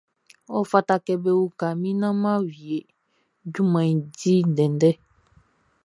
Ɔ fata kɛ be uka min naan mʼan wie junmanʼn i di ndɛndɛ.